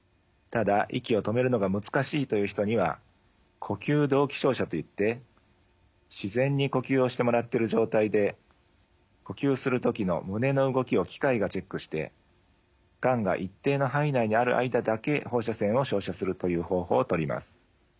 ただ息を止めるのが難しいという人には呼吸同期照射といって自然に呼吸をしてもらってる状態で呼吸する時の胸の動きを機械がチェックしてがんが一定の範囲内にある間だけ放射線を照射するという方法をとります。